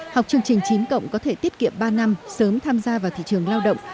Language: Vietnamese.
học chương trình chín cộng có thể tiết kiệm ba năm sớm tham gia vào thị trường lao động